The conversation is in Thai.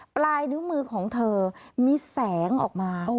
ปลายนิ้วมือของเธอมีแสงออกมา